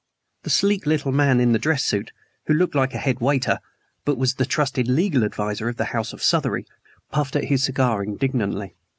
The sleek little man in the dress suit, who looked like a head waiter (but was the trusted legal adviser of the house of Southery) puffed at his cigar indignantly.